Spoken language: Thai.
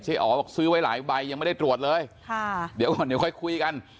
อ๋อบอกซื้อไว้หลายใบยังไม่ได้ตรวจเลยค่ะเดี๋ยวก่อนเดี๋ยวค่อยคุยกัน